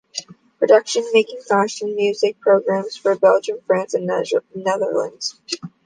Productions, making Fashion and Music Programs for Belgium, France and the Netherlands.